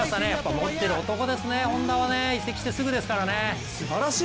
持ってる男ですね、本田はね、移籍してすぐですからね。